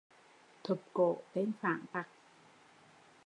Thụp cổ tên phản tặc